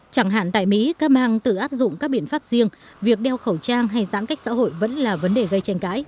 chẳng hạn tại mỹ các mang tự áp dụng các biện pháp riêng việc đeo khẩu trang hay giãn cách xã hội vẫn là vấn đề gây tranh cãi